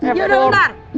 ya udah ntar